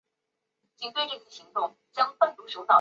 该湖的沉积物主要为盐和碱。